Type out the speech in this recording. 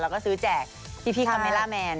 แล้วก็ซื้อแจกพี่คาเมล่าแมน